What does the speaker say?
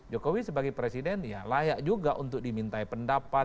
jokowi sebagai presiden ya layak juga untuk dimintai pendapat